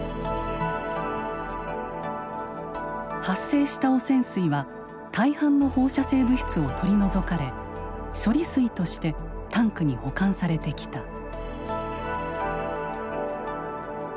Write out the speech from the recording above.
発生した汚染水は大半の放射性物質を取り除かれ処理水としてタンクに保管されてきた。